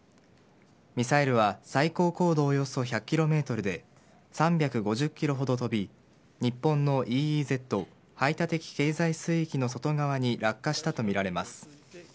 ミサイルは最高高度およそ１００ｋｍで３５０ｋｍほど飛び日本のＥＥＺ・排他的経済水域の外側に落下したとみられます。